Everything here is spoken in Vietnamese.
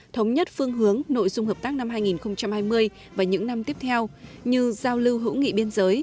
thống nhất phương hướng nội dung hợp tác năm hai nghìn hai mươi và những năm tiếp theo như giao lưu hữu nghị biên giới